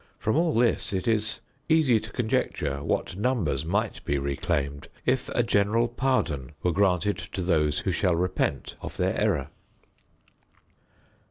From all this it is easy to conjecture what numbers might be reclaimed if a general pardon were granted to those who shall repent of their error.